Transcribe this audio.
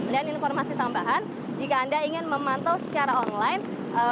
dan informasi tambahan jika anda ingin memantau secara online